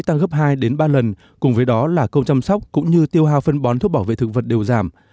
tăng gấp hai ba lần cùng với đó là câu chăm sóc cũng như tiêu hào phân bón thuốc bảo vệ thực vật đều giảm